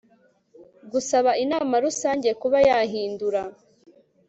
gusaba inama rusange kuba yahindura